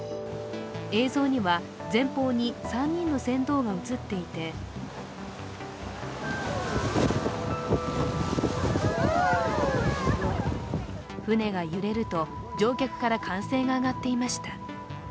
映像には、前方に３人の船頭が映っていて舟が揺れると乗客から歓声が上がっていました。